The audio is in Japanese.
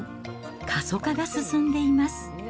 過疎化が進んでいます。